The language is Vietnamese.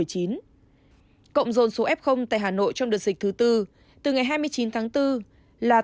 cộng dồn số f tại hà nội trong đợt dịch thứ tư từ ngày hai mươi chín tháng bốn là tám một mươi hai ca